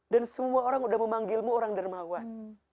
dan semua orang udah memanggilmu orang dermawan